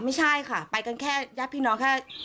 ไม่ใช่ค่ะไปกันแค่ญาติพี่น้องแค่